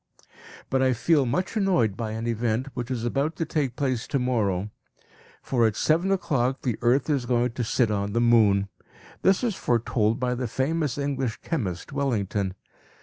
But I feel much annoyed by an event which is about to take place to morrow; at seven o'clock the earth is going to sit on the moon. This is foretold by the famous English chemist, Wellington.